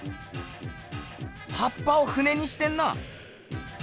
はっぱを船にしてんなぁ。